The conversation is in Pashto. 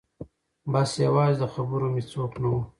بس یوازې د خبرو مې څوک نه و